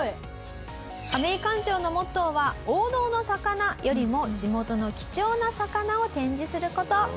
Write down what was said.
カメイ館長のモットーは王道の魚よりも地元の貴重な魚を展示する事。